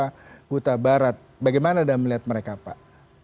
huta barat bagaimana anda melihat mereka pak